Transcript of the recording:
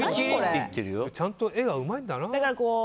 ちゃんと絵がうまいんだな。